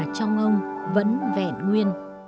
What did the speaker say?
trong ông vẫn vẹn nguyên